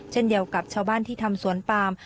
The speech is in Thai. เช่นเดียวกับชาวบ้านที่ทำสวนปาม